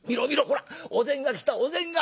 ほらお膳が来たお膳が。